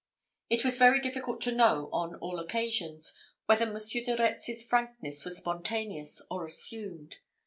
It was very difficult to know, on all occasions, whether Monsieur de Retz's frankness was spontaneous or assumed.